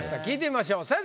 聞いてみましょう。